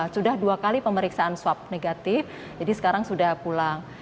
sudah dua kali pemeriksaan swab negatif jadi sekarang sudah pulang